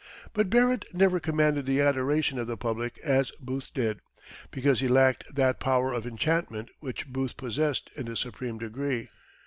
But Barrett never commanded the adoration of the public as Booth did, because he lacked that power of enchantment which Booth possessed in a supreme degree.